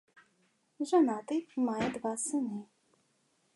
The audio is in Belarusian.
Жанаты, мае два сыны.